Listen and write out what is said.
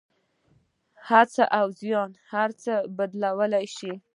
هڅه او زیار هر څه بدلولی شي.